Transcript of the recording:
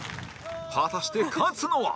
果たして勝つのは